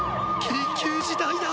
緊急事態だ！